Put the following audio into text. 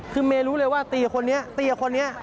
คือเมย์รู้เลยว่าตีคนนี้ตีกับคนนี้